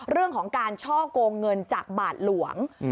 เรื่องของการช่อกงเงินจากบาทหลวง